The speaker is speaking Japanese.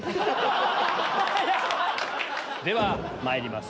ではまいります